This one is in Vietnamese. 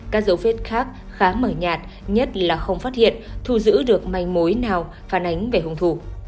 các dấu vết khác khá mờ nhạt nhất là không phát hiện thu giữ được manh mối nào phản ánh về hung thủ